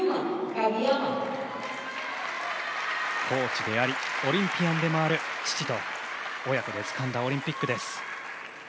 コーチでありオリンピアンでもある父と親子でつかんだオリンピックです。